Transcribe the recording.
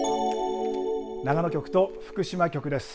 長野局と福島局です。